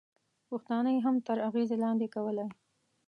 پښتانه یې هم تر اغېزې لاندې کولای.